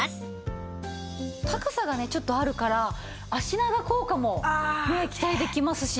高さがねちょっとあるから足長効果も期待できますしね。